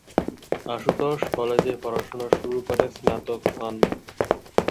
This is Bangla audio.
আশুতোষ কলেজে পড়াশোনা শুরু করে স্নাতক হন।